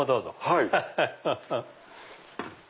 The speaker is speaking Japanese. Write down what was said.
はい。